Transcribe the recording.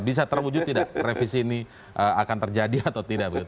bisa terwujud tidak revisi ini akan terjadi atau tidak begitu